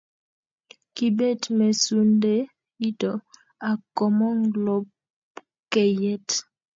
kibet mesundeito ak komong lopkeyet